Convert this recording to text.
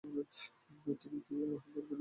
তুমি কি আরোহণ করবে না?